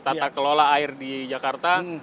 tata kelola air di jakarta